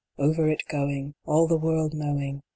Over it going, All the world knowing